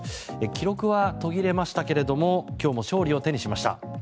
記録は途切れましたけども今日も勝利を手にしました。